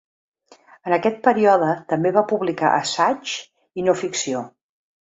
En aquest període també va publicar assaigs i de no-ficció.